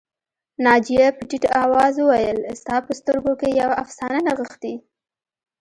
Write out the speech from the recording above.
ناجیه په ټيټ آواز وویل ستا په سترګو کې یوه افسانه نغښتې